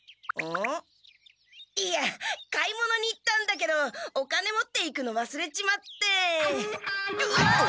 いや買い物に行ったんだけどお金持っていくのわすれちまって。